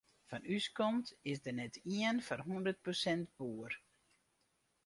Fan ús kant is der net ien foar hûndert persint boer.